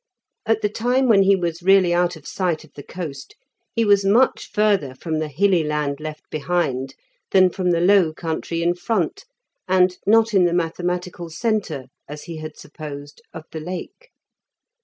At the time when he was really out of sight of the coast, he was much further from the hilly land left behind than from the low country in front, and not in the mathematical centre, as he had supposed, of the Lake.